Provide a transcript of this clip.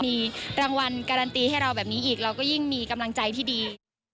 มีรางวัลการันตีให้เราแบบนี้อีกเราก็ยิ่งมีกำลังใจที่ดี